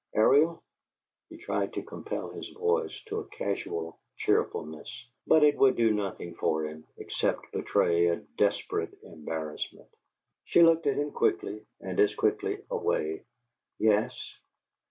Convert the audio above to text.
"Ariel?" He tried to compel his voice to a casual cheerfulness, but it would do nothing for him, except betray a desperate embarrassment. She looked at him quickly, and as quickly away. "Yes?"